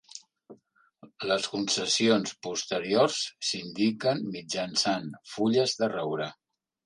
Les concessions posteriors s'indiquen mitjançant fulles de roure.